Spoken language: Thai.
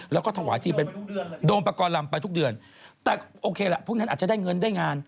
แล้วก็ถวายที่เป็นโดมประกอบลำไปทุกเดือนแต่โอเคละพวกนั้นอาจจะได้เงินได้งาน